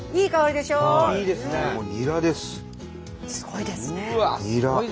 すごいですね。